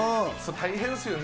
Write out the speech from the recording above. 大変ですよね。